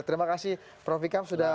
terima kasih prof ikam sudah